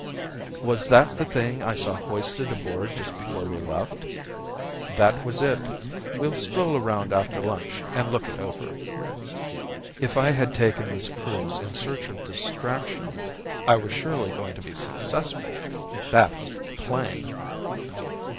"Was that the thing I saw hoisted aboard just before we left?" "That was it. We'll stroll around after lunch and look it over." If I had taken this cruise in search of distraction I was surely going to be successful! That was plain!